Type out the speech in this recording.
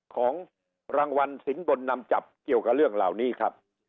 ของรางวัลสินบนนำจับเกี่ยวกับเรื่องเหล่านี้ครับ